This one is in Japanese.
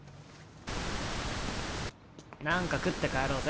なんか食って帰ろうぜ。